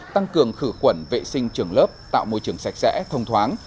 tăng cường khử quẩn vệ sinh trường lớp tạo môi trường sạch sẽ thông thoáng